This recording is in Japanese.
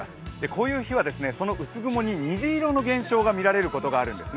こういう日は薄雲に虹色の減少が見られることがあります。